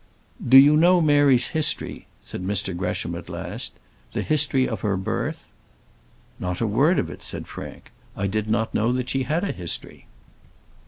"Do you know Mary's history?" said Mr Gresham, at last; "the history of her birth?" "Not a word of it," said Frank. "I did not know she had a history."